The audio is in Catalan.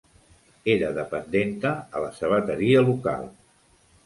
Era dependenta a la sabateria local